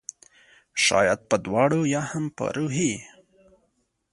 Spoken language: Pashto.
شاید په دواړو ؟ یا هم په روحي